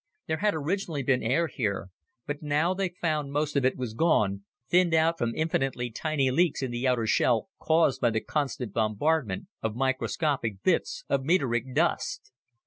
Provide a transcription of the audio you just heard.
There had originally been air here, but now they found most of it was gone, thinned out from infinitely tiny leaks in the outer shell caused by the constant bombardment of microscopic bits of meteoric dust.